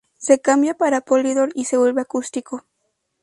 Se cambia para Polydor, y se vuelve acústico.